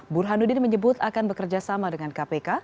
burhanuddin menyebut akan bekerja sama dengan kpk